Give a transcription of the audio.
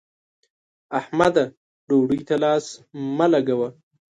احمده! ډوډۍ ته لاس مه لګوه.